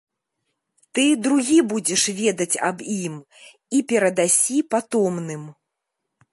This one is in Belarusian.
Ты другі будзеш ведаць аб ім і перадасі патомным.